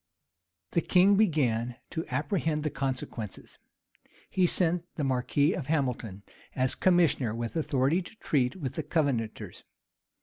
The king began to apprehend the consequences. He sent the marquis of Hamilton, as commissioner, with authority to treat with the Covenanters.